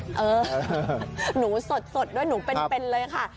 เออหนูสดด้วยหนูเป็นเลยค่ะ